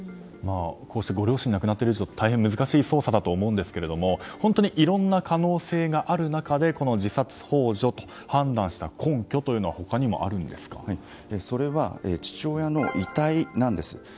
こうしてご両親が亡くなっている以上大変難しい捜査だと思いますがいろいろな可能性がある中で自殺幇助と判断した根拠はそれは父親の遺体なんです。